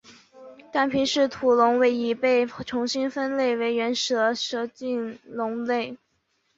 但皮氏吐龙已被重新分类为原始的蛇颈龙类。